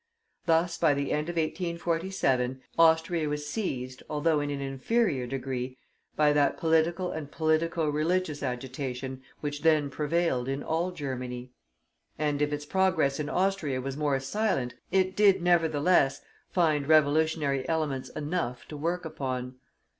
Thus, by the end of 1847, Austria was seized, although in an inferior degree, by that political and politico religious agitation which then prevailed in all Germany; and if its progress in Austria was more silent, it did, nevertheless, find revolutionary elements enough to work upon.